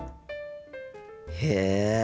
へえ。